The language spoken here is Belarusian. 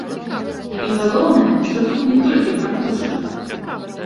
І галоўнае, што тут не толькі пра птушак.